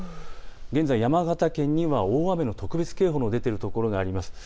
現在、山形県には大雨の特別警報の出ているところがあります。